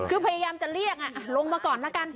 คือพยายามจะเรียกลงมาก่อนละกัน